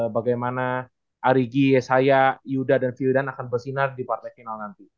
bagaimana ari giesaya yuda dan fyudan akan bersinar di partai final nanti